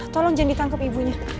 tolong jangan ditangkap ibunya